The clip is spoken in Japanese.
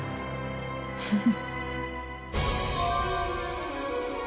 フフ。